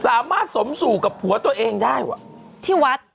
สามารถสมสู่กับผัวตัวเองได้ว่ะที่วัด